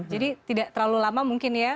jadi tidak terlalu lama mungkin ya